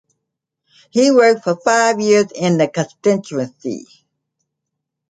He worked for five years in the constituency.